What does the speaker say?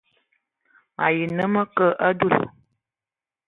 Mayi nə ma kə a edug.